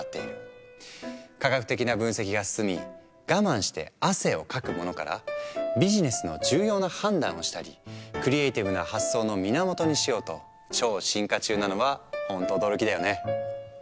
科学的な分析が進み我慢して汗をかくものからビジネスの重要な判断をしたりクリエーティブな発想の源にしようと超進化中なのはホント驚きだよね。